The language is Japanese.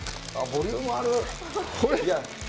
ボリュームある。